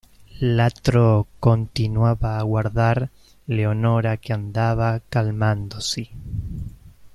L'altro continuava a guardar Leonora che andava calmandosi.